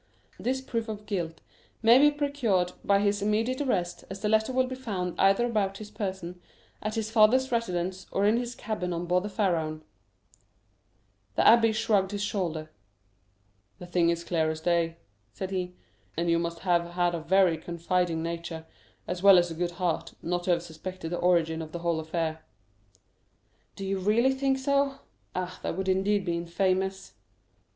This proof of his guilt may be procured by his immediate arrest, as the letter will be found either about his person, at his father's residence, or in his cabin on board the Pharaon.'" The abbé shrugged his shoulders. "The thing is clear as day," said he; "and you must have had a very confiding nature, as well as a good heart, not to have suspected the origin of the whole affair." "Do you really think so? Ah, that would indeed be infamous."